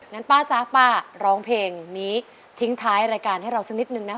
งั้นป้าจ๊ะป้าร้องเพลงนี้ทิ้งท้ายรายการให้เราสักนิดนึงนะ